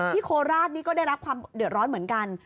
โคราชนี่ก็ได้รับความเดือดร้อนเหมือนกัน